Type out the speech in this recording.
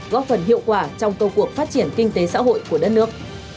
góp phần hiệu quả trong công cuộc phát triển kinh tế xã hội của đất nước